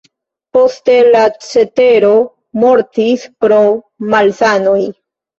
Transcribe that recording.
Poste, la cetero mortis pro malsanoj.